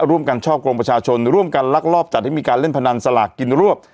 ร่วมกันช่อกงประชาชนร่วมกันลักลอบจัดให้มีการเล่นพนันสลากกินรวบ